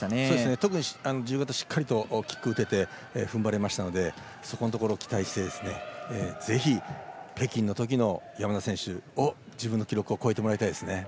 特に自由形はしっかりとキック打てて、ふんばれたのでその辺りを期待してぜひ北京のころの自分の記録を超えてもらいたいです。